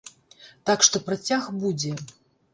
Так што працяг будзе.